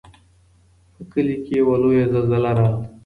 په کلي کې یوه لویه زلزله راغله.